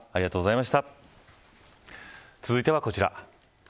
続いてはこちら。